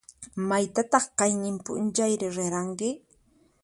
Maytataq qayninp'unchayri riranki?